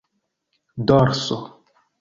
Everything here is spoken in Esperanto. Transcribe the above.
dorso